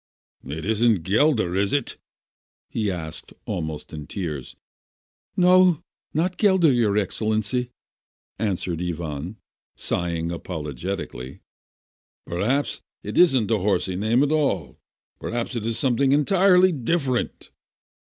"It isn't Gelder, is it?" he asked almost in tears. "No, not Gelder, your Excellency," answered Ivan, sighing apologetically. "Perhaps it isn't a horsey name at all? Perhaps it is something entirely different?"